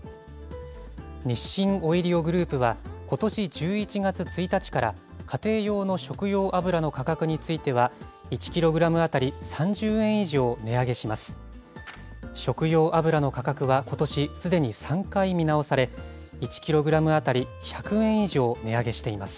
日清オイリオグループはことし１１月１日から、家庭用の食用油の価格については、１キログラム当たり３０円以上値上げします。